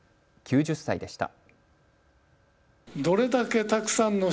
９０歳でした。